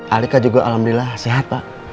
alika juga alhamdulillah sehat pak